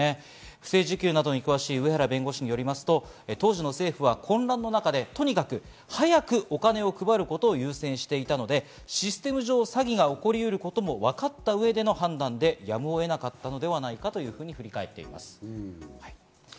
不正受給などに詳しい上原弁護士によりますと、当時の政府は混乱の中でとにかく早くお金を配ることを優先していたので、システム上、詐欺が起こりうることも分かった上での判断でやむを得なかったのではないかというふうに振り返っています。